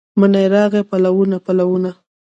مني راغلي پلونه، پلونه